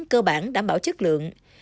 cơ bản đảm bảo chất lượng